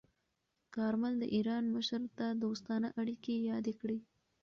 کارمل د ایران مشر ته دوستانه اړیکې یادې کړې.